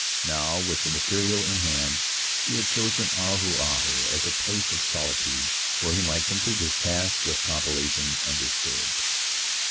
Now, with the material in hand, he had chosen Ahu Ahu as a place of solitude, where he might complete his task of compilation undisturbed.